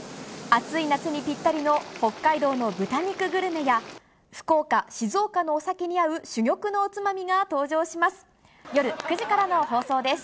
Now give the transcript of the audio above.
暑い夏にぴったりの北海道の豚肉グルメや、福岡、静岡のお酒に合う珠玉のおつまみが登場します。